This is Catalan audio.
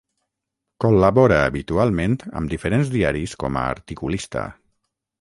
Col·labora habitualment amb diferents diaris com a articulista.